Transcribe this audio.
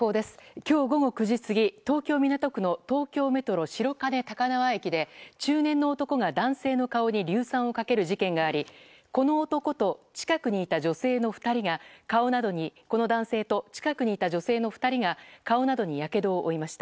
今日、午後９時過ぎ東京・港区の東京メトロ白金高輪駅で中年の男が、男性の顔に硫酸をかける事件がありこの男と近くにいた女性の２人が顔などにやけどを負いました。